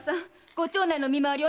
ご町内の見回り